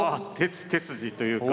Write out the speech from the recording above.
手筋というか。